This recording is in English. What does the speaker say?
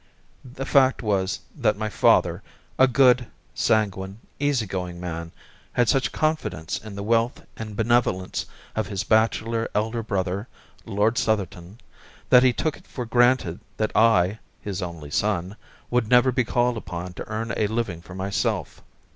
The fact was that my father, a good, sanguine, easy going man, had such confidence in the wealth and benevolence of his bachelor elder brother, Lord Southerton, that he took it for granted that I, his only son, would never be called upon to earn a living for myself.